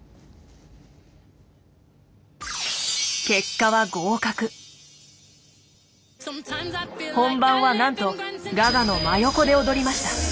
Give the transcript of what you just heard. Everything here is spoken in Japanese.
結果は本番はなんとガガの真横で踊りました。